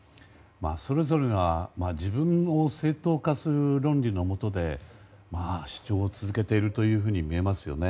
それぞれが自分を正当化する論理のもとで主張を続けているように見えますよね。